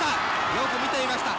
よく見ていました。